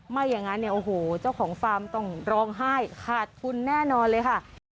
ไม่อย่างนั้นเนี่ยโอ้โหเจ้าของฟาร์มต้องร้องไห้ขาดทุนแน่นอนเลยค่ะ